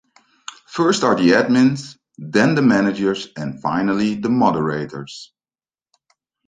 First are the Admins, then the Managers, and finally the Moderators.